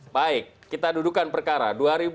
baik kita dudukan perkara